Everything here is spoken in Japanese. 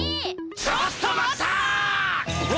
ちょっと待った！